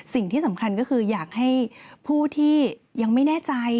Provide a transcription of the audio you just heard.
สิ่งที่สำคัญก็คืออยากให้ผู้ที่ยังไม่แน่ใจ